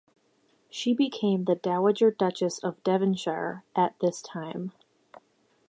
She became the Dowager Duchess of Devonshire at this time.